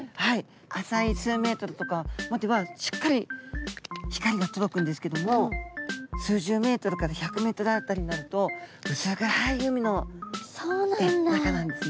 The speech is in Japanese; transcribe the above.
浅い数ｍとかまではしっかり光が届くんですけども数十ｍから１００ｍ辺りになると薄暗い海の中なんですね。